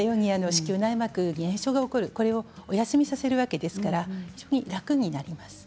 子宮内膜に炎症が起こるこれをお休みさせるわけですから非常に楽になります。